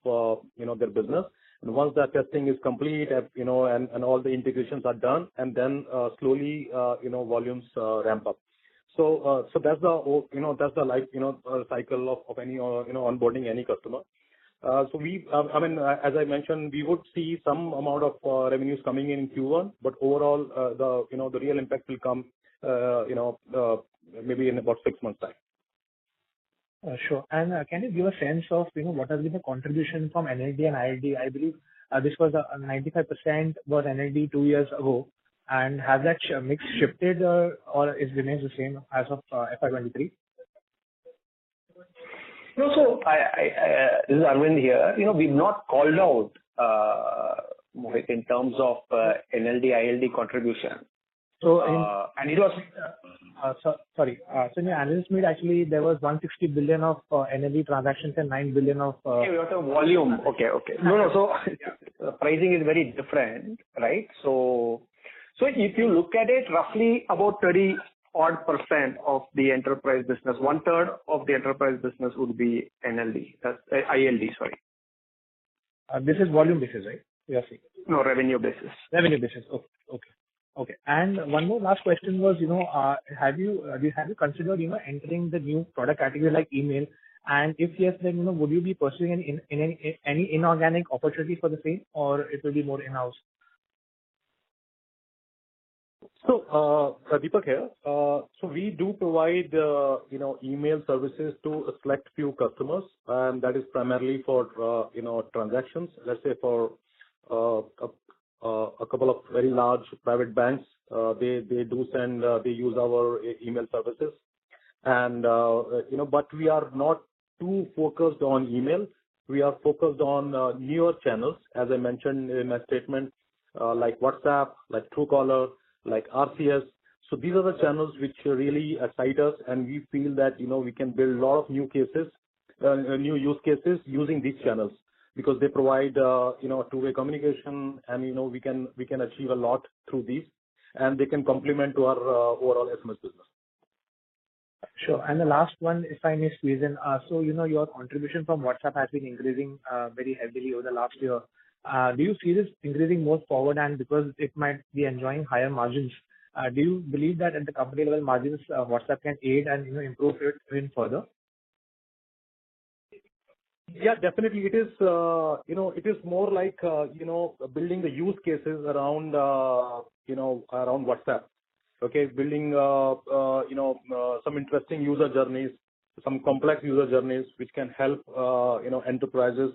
you know, their business. Once that testing is complete, you know, and all the integrations are done, then, slowly, you know, volumes, ramp up. That's the, you know, that's the life, you know, cycle of any, you know, onboarding any customer. I mean, as I mentioned, we would see some amount of revenues coming in in Q1, but overall, the, you know, the real impact will come, you know, maybe in about six months' time. Sure. Can you give a sense of, you know, what has been the contribution from NLD and ILD? I believe this was 95% was NLD two years ago. Has that mix shifted or it remains the same as of FY 2023? No. This is Aravind here. You know, we've not called out Mohit, in terms of NLD, ILD contribution. So in Uh, and it was sorry. In your analyst meet, actually there was 160 billion of NLD transactions and 9 billion of. Yeah, we got a volume. Okay, okay. No, no. Pricing is very different, right? If you look at it roughly about 30 odd % of the enterprise business, 1/3 of the enterprise business would be NLD. That's ILD, sorry. This is volume basis, right? You are saying. No, revenue basis. Revenue basis. Okay. Okay. One more last question was, you know, have you considered, you know, entering the new product category like email? If yes, then, you know, would you be pursuing any inorganic opportunity for the same or it will be more in-house? Deepak here. We do provide, you know, email services to a select few customers, and that is primarily for, you know, transactions. Let's say for a couple of very large private banks, they do send, they use our email services and, you know. We are not too focused on email. We are focused on newer channels, as I mentioned in my statement, like WhatsApp, like Truecaller, like RCS. These are the channels which really excite us, and we feel that, you know, we can build a lot of new cases, new use cases using these channels. They provide, you know, two-way communication and, you know, we can achieve a lot through these and they can complement to our overall SMS business. Sure. The last one, if I may squeeze in. You know, your contribution from WhatsApp has been increasing very heavily over the last year. Do you see this increasing more forward? Because it might be enjoying higher margins, do you believe that at the company level margins, WhatsApp can aid and, you know, improve it even further? Yeah, definitely. It is, you know, it is more like, you know, building the use cases around, you know, around WhatsApp. Okay? Building, you know, some interesting user journeys, some complex user journeys which can help, you know, enterprises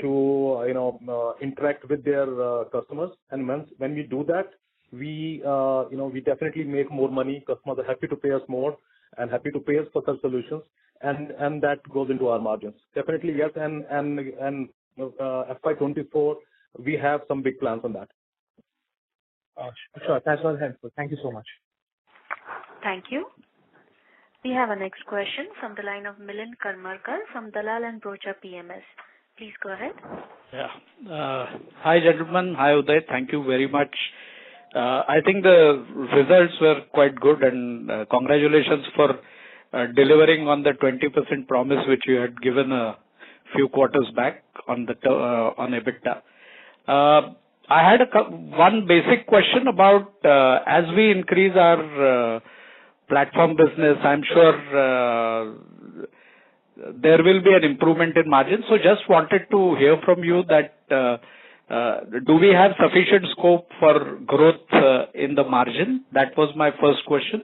to, you know, interact with their, customers. When we do that, we, you know, we definitely make more money. Customers are happy to pay us more and happy to pay us for such solutions and that goes into our margins. Definitely, yes. FY 2024, we have some big plans on that. Sure. That was helpful. Thank you so much. Thank you. We have our next question from the line of Milind Karmarkar from Dalal & Broacha PMS. Please go ahead. Yeah. Hi, gentlemen. Hi, Uday. Thank you very much. I think the results were quite good, and congratulations for delivering on the 20% promise which you had given a few quarters back on EBITDA. I had a one basic question about as we increase our platform business, I'm sure, there will be an improvement in margins. Just wanted to hear from you that do we have sufficient scope for growth in the margin? That was my first question.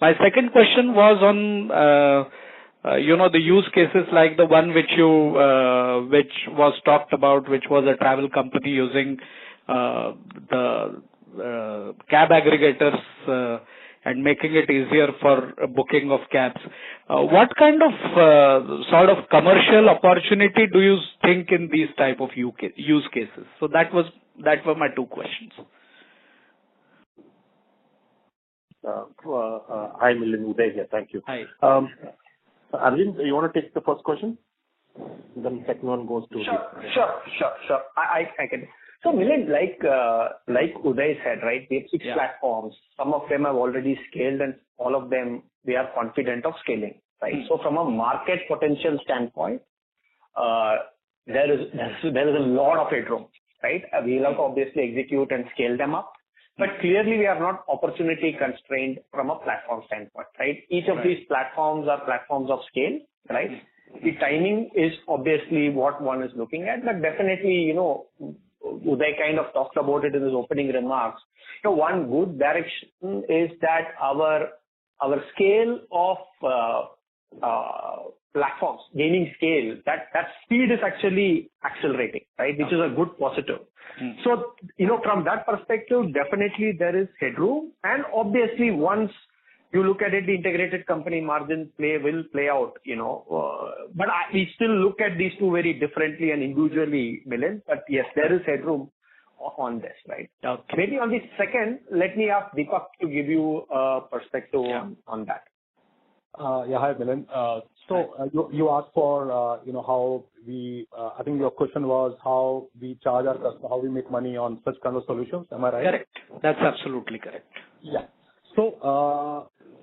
My second question was on, you know, the use cases like the one which you, which was talked about, which was a travel company using the cab aggregators, and making it easier for booking of cabs. What kind of, sort of commercial opportunity do you think in these type of use cases? That were my two questions. hi, Milind. Uday here. Thank you. Hi. Aravind, you wanna take the first question? The second one goes to me. Sure. Sure. Sure. Sure. I can. Milind, like Uday said, right, we have six platforms. Some of them have already scaled, and all of them we are confident of scaling, right? From a market potential standpoint, there is a lot of headroom, right? We'll obviously execute and scale them up. Clearly we are not opportunity constrained from a platform standpoint, right? Right. Each of these platforms are platforms of scale, right? The timing is obviously what one is looking at. Definitely, you know, Uday kind of talked about it in his opening remarks. You know, one good direction is that our scale of platforms gaining scale, that speed is actually accelerating, right? Sure. Which is a good positive. You know, from that perspective, definitely there is headroom. Obviously once you look at it, the integrated company margin play will play out, you know. I, we still look at these two very differently and individually, Milind. Yes, there is headroom on this, right? Okay. Maybe on the second, let me ask Deepak to give you, perspective. Yeah. on that. Yeah. Hi, Milind. You, you asked for, you know, I think your question was how we charge our customer, how we make money on such kind of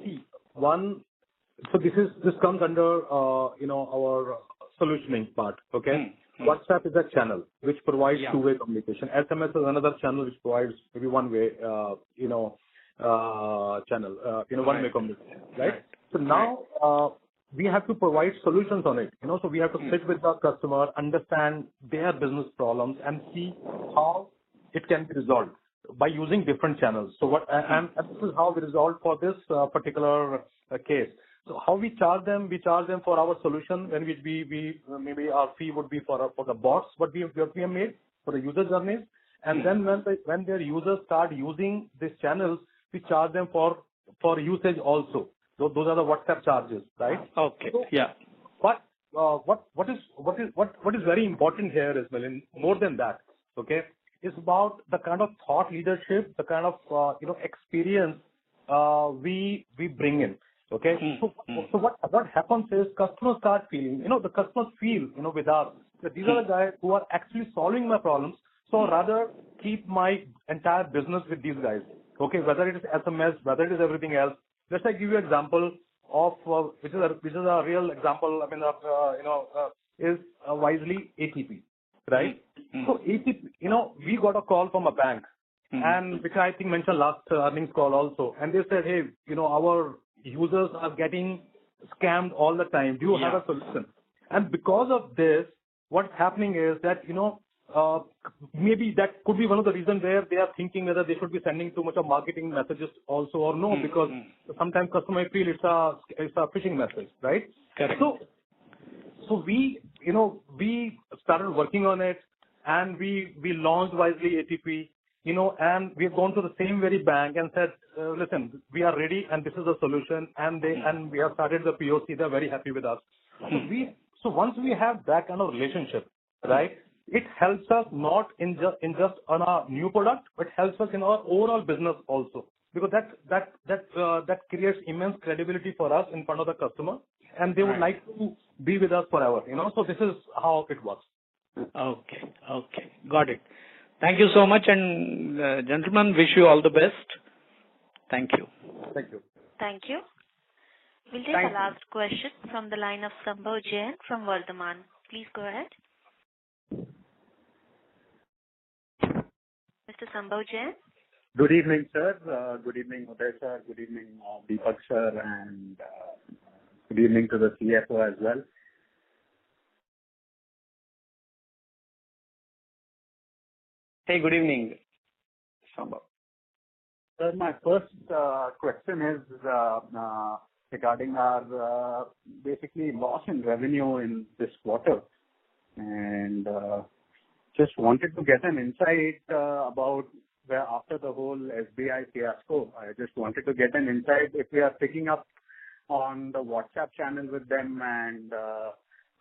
solutions. Am I right? Correct. That's absolutely correct. Yeah. This comes under, you know, our solutioning part. Okay? WhatsApp is a channel which provides. Yeah. Two-way communication. SMS is another channel which provides maybe one way, you know, channel, you know, one-way communication. Right. Right. Now, we have to provide solutions on it. You know, so we have to sit with our customer, understand their business problems, and see how it can be resolved by using different channels. This is how we resolved for this particular case. How we charge them, we charge them for our solution, and we. Maybe our fee would be for the bots what we have made for the user journeys. When their users start using these channels, we charge them for usage also. Those are the WhatsApp charges, right? Okay. Yeah. What is very important here as well, and more than that, okay, is about the kind of thought leadership, the kind of, you know, experience, we bring in. Okay? What happens is customers start feeling. You know, the customers feel, you know, with our. That these are the guys who are actually solving my problems, rather keep my entire business with these guys. Okay? Whether it is SMS, whether it is everything else. I give you example of which is a real example, I mean, you know, is Wisely A2P, right? ATP, you know, we got a call from a bank. Because I think mentioned last earnings call also. They said, "Hey, you know, our users are getting scammed all the time. Do you have a solution? Yeah. Because of this, what's happening is that, you know, maybe that could be one of the reasons where they are thinking whether they should be sending too much of marketing messages also or no. Sometimes customer may feel it's a phishing message, right? Correct. We, you know, we started working on it and we launched Wisely A2P, you know, and we've gone to the same very bank and said, "listen, we are ready and this is the solution. We have started the POC. They're very happy with us. Once we have that kind of relationship, right, it helps us not in just on our new product, but helps us in our overall business also. That creates immense credibility for us in front of the customer. Right. They would like to be with us forever, you know. This is how it works. Okay. Okay. Got it. Thank you so much. Gentlemen, wish you all the best. Thank you. Thank you. Thank you. Thank We'll take the last question from the line of Sambhav Jain from Vardhman. Please go ahead. Mr. Sambhav Jain? Good evening, sir. Good evening, Uday sir. Good evening, Deepak sir, and good evening to the CFO as well. Hey, good evening, Sambhav. Sir, my first question is regarding our basically loss in revenue in this quarter. Just wanted to get an insight about where after the whole SBI fiasco, I just wanted to get an insight if we are picking up on the WhatsApp channel with them and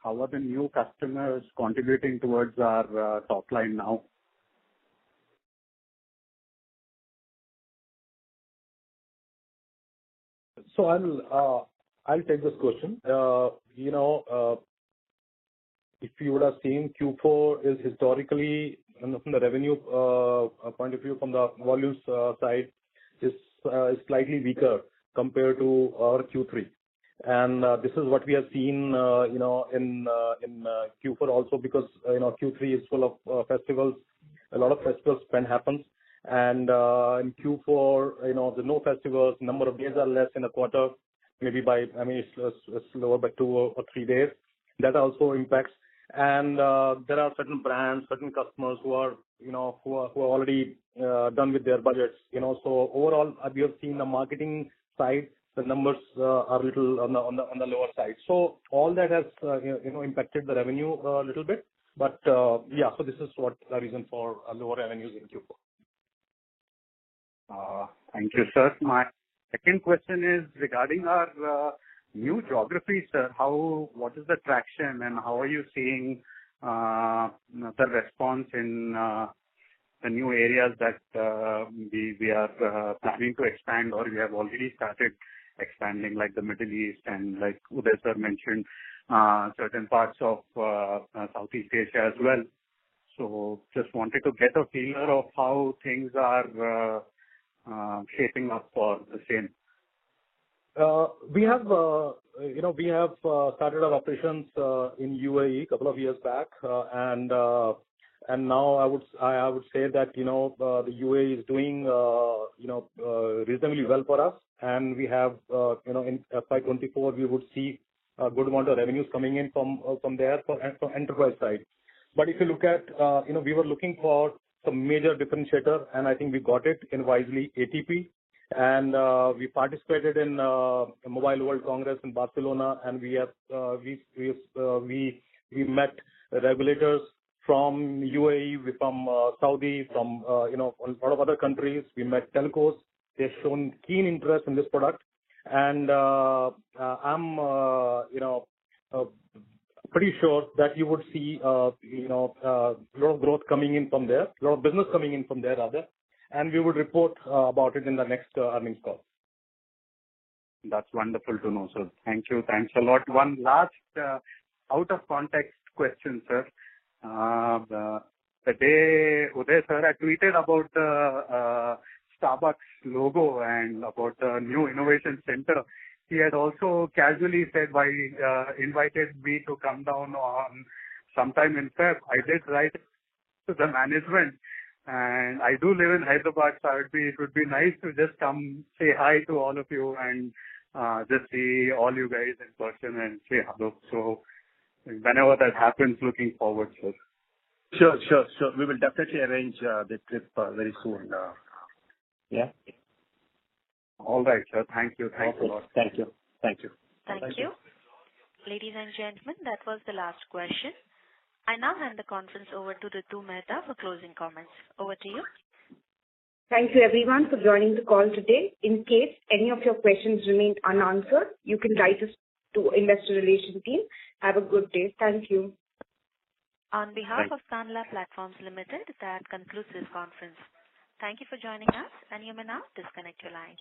how are the new customers contributing towards our top line now? I'll take this question. You know, if you would have seen Q4 is historically, from the revenue point of view, from the volumes side is slightly weaker compared to our Q3. This is what we have seen, you know, in Q4 also because, you know, Q3 is full of festivals. A lot of festival spend happens. In Q4, you know, there are no festivals, number of days are less in a quarter, maybe by, I mean, it's lower by two or three days. That also impacts. There are certain brands, certain customers who are, you know, who are already done with their budgets, you know. Overall, we have seen the marketing side, the numbers are little on the lower side. All that has, you know, impacted the revenue, a little bit. This is what the reason for a lower revenues in Q4. Thank you, sir. My second question is regarding our new geographies, sir. What is the traction and how are you seeing the response in the new areas that we are planning to expand or we have already started expanding like the Middle East and like Uday sir mentioned, certain parts of Southeast Asia as well. Just wanted to get a feel of how things are shaping up for the same. We have started our operations in UAE couple of years back. Now I would say that, you know, the UAE is doing, you know, reasonably well for us. We have in FY 2024 we would see a good amount of revenues coming in from there from enterprise side. If you look at, we were looking for some major differentiator, and I think we got it in Wisely A2P. We participated in Mobile World Congress in Barcelona, and we have met regulators from UAE, from Saudi, from lot of other countries. We met telcos. They've shown keen interest in this product. I'm, you know, pretty sure that you would see, you know, lot of growth coming in from there, lot of business coming in from there rather, and we would report about it in the next earnings call. That's wonderful to know, sir. Thank you. Thanks a lot. One last out of context question, sir. The day Uday sir had tweeted about Starbucks logo and about the new innovation center, he had also casually said while he invited me to come down on sometime in February. I did write to the management, and I do live in Hyderabad, so it'd be, it would be nice to just come say hi to all of you and just see all you guys in person and say hello. Whenever that happens, looking forward, sir. Sure, sure. We will definitely arrange, the trip, very soon, yeah. All right, sir. Thank you. Thank you a lot. Okay. Thank you. Thank you. Thank you. Ladies and gentlemen, that was the last question. I now hand the conference over to Ritu Mehta for closing comments. Over to you. Thank you everyone for joining the call today. In case any of your questions remained unanswered, you can write us to Investor Relations team. Have a good day. Thank you. On behalf of Tanla Platforms Limited, that concludes this conference. Thank you for joining us, and you may now disconnect your lines.